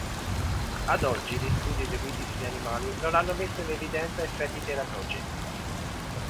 Ad oggi gli studi eseguiti sugli animali non hanno messo in evidenza effetti teratogeni.